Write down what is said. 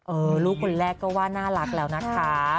ลูกคนแรกก็ว่าน่ารักแล้วนะคะ